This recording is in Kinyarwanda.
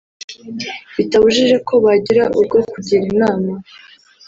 Bitabujijeko bagira urwo kugira inama